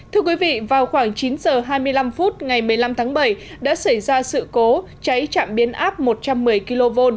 thưa quý vị vào khoảng chín h hai mươi năm phút ngày một mươi năm tháng bảy đã xảy ra sự cố cháy trạm biến áp một trăm một mươi kv